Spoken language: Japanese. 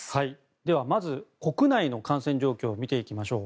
ではまず、国内の感染状況を見ていきましょう。